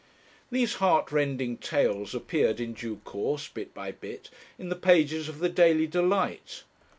These heart rending tales appeared in due course, bit by bit, in the pages of the Daily Delight.